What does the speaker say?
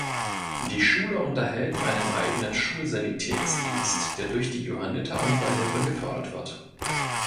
Die Schule unterhält einen eigenen Schulsanitätsdienst, der durch die Johanniter Unfallhilfe gefördert wird.